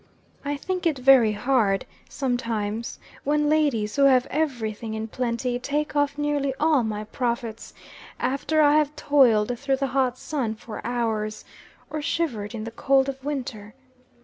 I think it very hard, sometimes, when ladies, who have every thing in plenty, take off nearly all my profits, after I have toiled through the hot sun for hours, or shivered in the cold of winter.